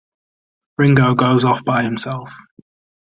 Ringo goes off by himself.